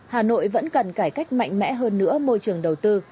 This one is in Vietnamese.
hà nội vẫn cần cải cách mạnh mẽ hơn nữa môi trường đầu tư